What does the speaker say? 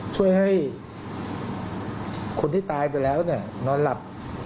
ช่วยให้คนที่ตายไปแล้วนอนหลับ